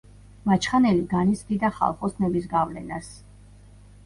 მაჩხანელი განიცდიდა ხალხოსნების გავლენას.